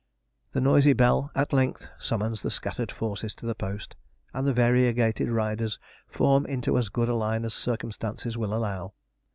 The noisy bell at length summons the scattered forces to the post, and the variegated riders form into as good a line as circumstances will allow.